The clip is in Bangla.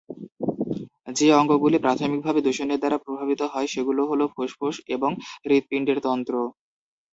যে-অঙ্গগুলো প্রাথমিকভাবে দূষণের দ্বারা প্রভাবিত হয়, সেগুলো হল ফুসফুস এবং হৃৎপিন্ডের তন্ত্র।